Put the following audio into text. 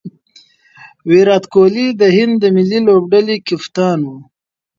ویرات کهولي د هند د ملي لوبډلي کپتان وو.